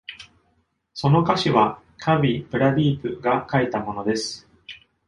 その歌詞はカヴィ・プラディープが書いたものです。